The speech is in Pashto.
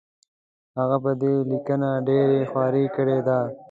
هغه پر دې لیکنه ډېره خواري کړې ده.